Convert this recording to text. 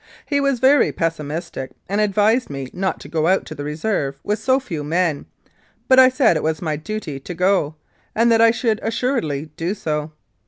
He was very pessi mistic, and advised me not to go out to the Reserve with so few men, but I said it was my duty to go, and that I should assuredly do so.